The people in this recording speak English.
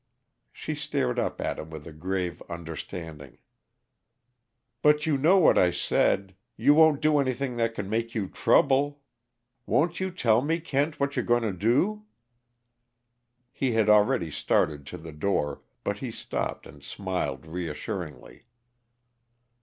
She stared up at him with a grave understanding. "But you know what I said you won't do anything that can make you trouble won't you tell me, Kent, what you're going to do?" He had already started to the door, but he stopped and smiled reassuringly.